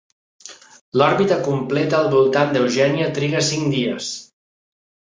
L'òrbita completa al voltant d'Eugenia triga cinc dies.